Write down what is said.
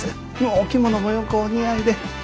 お着物もよくお似合いで。